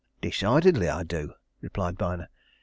"Decidedly I do!" replied Byner.